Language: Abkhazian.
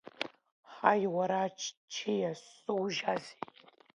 Ҳаи, уара, аччиа, сзужьазеи?